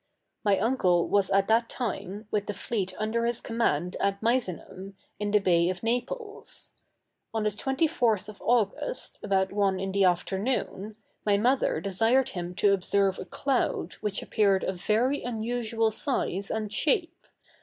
My uncle was at that time with the fleet under his command at Misenum, in the Bay of Naples. On the 24th of August, about one in the afternoon, my mother desired him to observe a cloud which appeared of a very unusual size and shape.